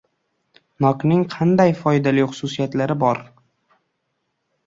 Nokning qanday foydali xususiyatlari bor?